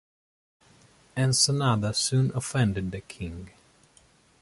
Ensenada soon offended the king.